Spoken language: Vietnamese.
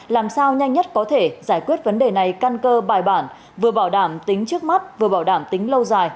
làm sao nhanh nhất có thể giải quyết vấn đề này căn cơ bài bản vừa bảo đảm tính trước mắt vừa bảo đảm tính lâu dài